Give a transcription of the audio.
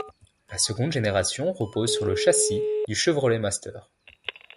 La seconde génération repose sur le châssis du Chevrolet Master.